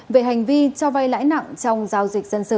về hành vi cho vay lãi nặng trong giao dịch dân sự